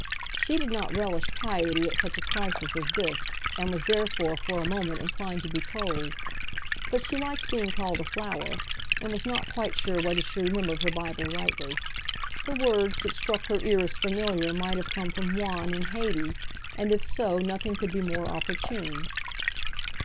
She did not relish piety at such a crisis as this, and was, therefore, for a moment inclined to be cold. But she liked being called a flower, and was not quite sure whether she remembered her Bible rightly. The words which struck her ear as familiar might have come from Juan and Haidee, and if so, nothing could be more opportune.